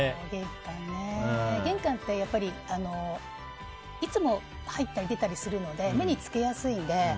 玄関って、やっぱりいつも入ったり出たりするので目につきやすいので。